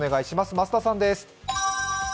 増田さんです。